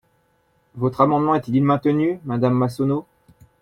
Votre amendement est-il maintenu, madame Massonneau?